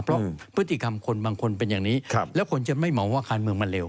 เพราะพฤติกรรมคนบางคนเป็นอย่างนี้แล้วคนจะไม่เหมาว่าการเมืองมันเร็